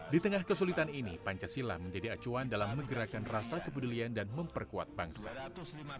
di tengah kesulitan ini pancasila menjadi acuan dalam menggerakkan rasa kepedulian dan memperkuat bangsa